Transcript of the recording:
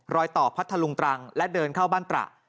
รอยต่อพัทธลุงตรังและเดินเข้าบ้านตระ